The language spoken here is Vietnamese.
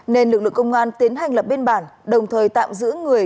nên lực lượng công an tiến hành lập biên bản đồng thời tạm giữ người